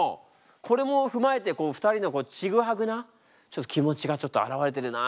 これも踏まえて２人のちぐはぐな気持ちがちょっと表れてるな